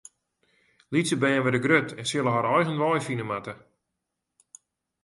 Lytse bern wurde grut en sille har eigen wei fine moatte.